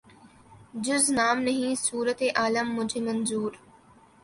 جز نام نہیں صورت عالم مجھے منظور